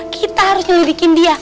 kita harus nyelidikin dia